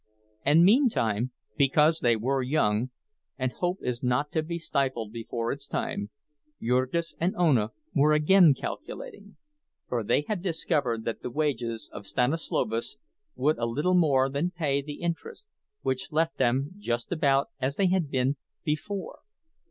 And meantime, because they were young, and hope is not to be stifled before its time, Jurgis and Ona were again calculating; for they had discovered that the wages of Stanislovas would a little more than pay the interest, which left them just about as they had been before!